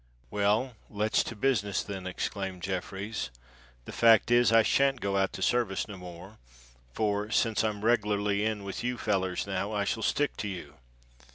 "Well—let's to business, then," exclaimed Jeffreys. "The fact is, I shan't go out to service no more; for, since I'm reglarly in with you fellers now, I shall stick to you."